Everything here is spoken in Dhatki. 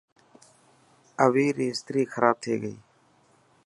اوي ري استري کراب ٿي گئي.